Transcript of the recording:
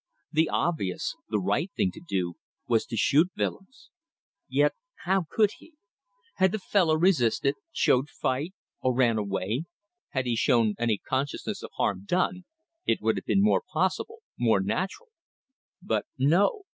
The obvious, the right thing to do, was to shoot Willems. Yet how could he? Had the fellow resisted, showed fight, or ran away; had he shown any consciousness of harm done, it would have been more possible, more natural. But no!